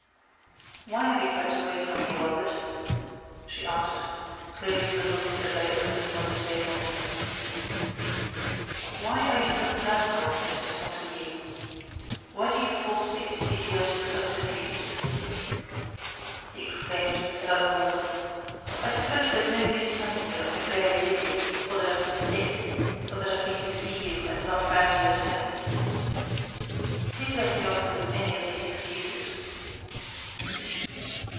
"Why have you kept away from me, Robert?" she asked, closing the book that lay open upon the table. "Why are you so personal, Mrs. Pontellier? Why do you force me to idiotic subterfuges?" he exclaimed with sudden warmth. "I suppose there's no use telling you I've been very busy, or that I've been sick, or that I've been to see you and not found you at home. Please let me off with any one of these excuses."